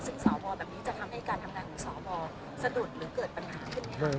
ซึ่งสวแบบนี้จะทำให้การทำงานของสวสะดุดหรือเกิดปัญหาขึ้นไหมคะ